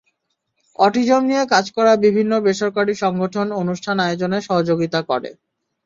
Autism নিয়ে কাজ করা বিভিন্ন বেসরকারি সংগঠন অনুষ্ঠান আয়োজনে সহযোগিতা করে।